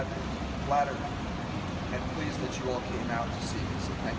เพราะภายด้วยพวกเราได้คุยกันหายทุนเรื่อง